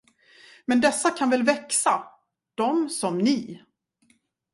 Men dessa kan väl växa, de som ni.